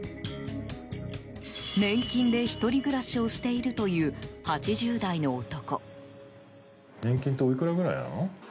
年金で、１人暮らしをしているという８０代の男。